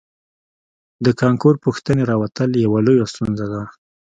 د کانکور پوښتنې راوتل یوه لویه ستونزه ده